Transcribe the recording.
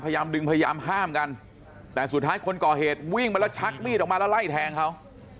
ดึงพยายามห้ามกันแต่สุดท้ายคนก่อเหตุวิ่งมาแล้วชักมีดออกมาแล้วไล่แทงเขา